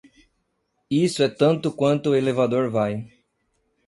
Isso é tanto quanto o elevador vai.